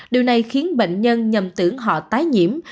điều này khiến bệnh nhân nhầm tưởng họ tái nhiễm